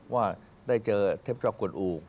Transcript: ว่าได้เจอเทพเจ้ากวนอู